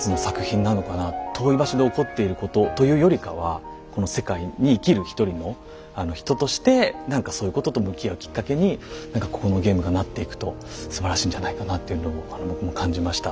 遠い場所で起こっていることというよりかはこの世界に生きる一人の人としてそういうことと向き合うきっかけにここのゲームがなっていくとすばらしいんじゃないかなというのを僕も感じました。